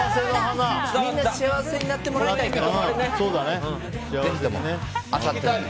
みんな幸せになってもらいたいから。